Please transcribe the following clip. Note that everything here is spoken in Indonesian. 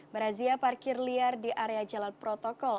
merazia parkir liar di area jalan protokol